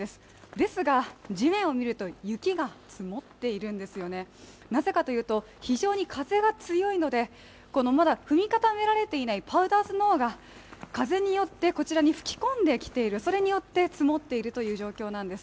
ですが地面を見ると雪が積もっているんですねなぜかというと、非常に風が強いのでまだ踏み固められていないパウダースノーが風によってこちらに吹き込んできている、それによって積もっているという状況なんです。